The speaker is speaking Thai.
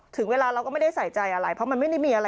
ถึงเวลาเราก็ไม่ได้ใส่ใจอะไรเพราะมันไม่ได้มีอะไร